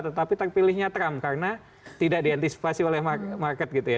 tetapi terpilihnya trump karena tidak diantisipasi oleh market gitu ya